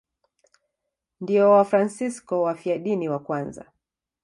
Ndio Wafransisko wafiadini wa kwanza.